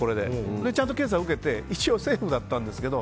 ちゃんと検査を受けて一応セーフだったんですけど。